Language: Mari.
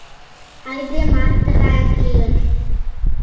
Айдемат тыгаяк лиеш.